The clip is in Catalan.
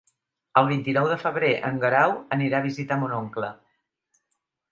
El vint-i-nou de febrer en Guerau anirà a visitar mon oncle.